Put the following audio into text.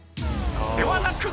［ではなく］